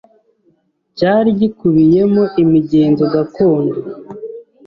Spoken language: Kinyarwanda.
cyari gikubiyemo imigenzo gakondo